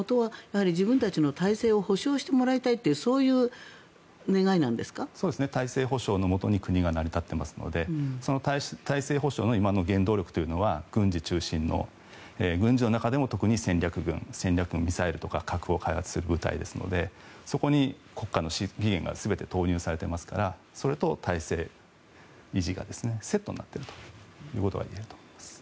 自分たちの体制を保証してもらいたいという体制保証のもとに国が成り立っていますのでその体制保証の今の原動力というのは軍事中心の軍事の中でも特に戦略ミサイルとか核を開発する部隊ですのでそこに国家の技術が全て投入されていますからそれと体制維持がセットになっているということが言えると思います。